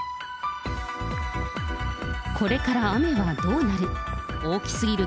これから雨はどうなる。